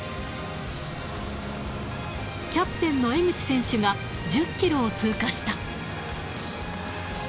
キャプテンの江口選手が１０キロを通過した。